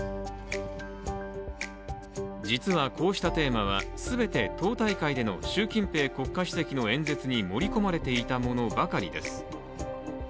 実は、こうしたテーマは全て党大会での習近平国家主席の演説に盛り込まれていたものばかりです。